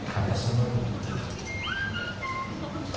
karena semua pun tidak